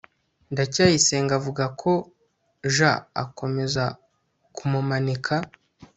ndacyayisenga avuga ko j akomeza kumumanika